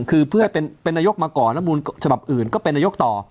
คือเพื่อให้เป็นนายกมาก่อนแล้วมูลฉบับอื่นก็เป็นนายกต่อ